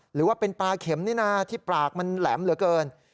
หรือว่าเป็นปลาเข็มนี่นะที่ปากมันแหลมเหลือเกิน